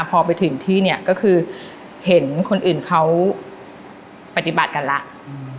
พอไปถึงที่เนี่ยก็คือเห็นคนอื่นเขาปฏิบัติกันแล้ว